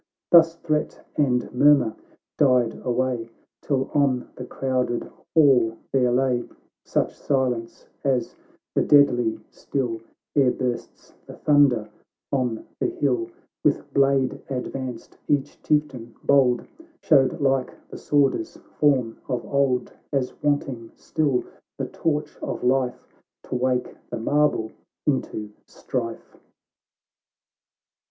Thus threat and murmur died away, Till on the crowded hall there lay Such silence, as the deadly still, Ere bursts the thunder on the hilL 5S2 THE LOED OF THE ISLES. [ CANTO II. "With blade advanced, each Chieftain bold Showed like the Svvorder's form of old, As wanting still the torch of life, To wake the marble into strife.